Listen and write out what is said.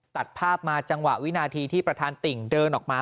ตัดภาพมาจังหวะวินาทีที่ประธานติ่งเดินออกมา